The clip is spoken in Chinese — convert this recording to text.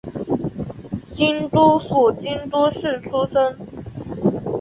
京都府京都市出身。